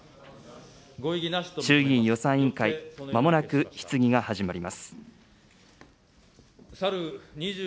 衆議院予算委員会、まもなく質疑が始まります。